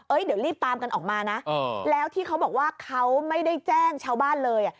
เดี๋ยวรีบตามกันออกมานะแล้วที่เขาบอกว่าเขาไม่ได้แจ้งชาวบ้านเลย